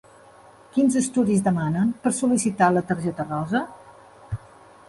Quins estudis demanen per sol·licitar la targeta rosa?